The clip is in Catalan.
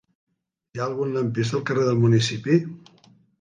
Hi ha algun lampista al carrer del Municipi?